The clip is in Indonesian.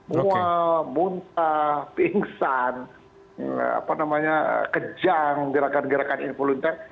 mual muntah pingsan kejang gerakan gerakan involuntar